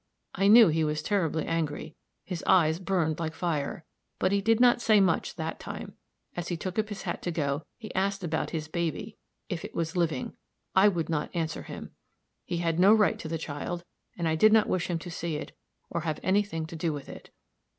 I knew he was terribly angry; his eyes burned like fire; but he did not say much that time; as he took up his hat to go, he asked about his baby if it was living? I would not answer him. He had no right to the child, and I did not wish him to see it, or have any thing to do with it.